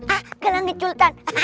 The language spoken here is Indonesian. ah gelangnya sultan